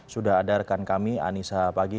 sudah adarkan kami anissa pagi